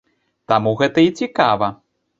Таму гэта і цікава.